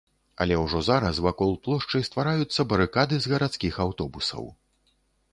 Але ўжо зараз вакол плошчы ствараюцца барыкады з гарадскіх аўтобусаў.